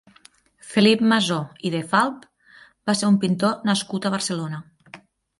Felip Masó i de Falp va ser un pintor nascut a Barcelona.